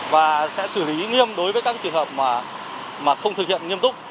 và sẽ xử lý nghiêm đối với các trường hợp mà không thực hiện nghiêm túc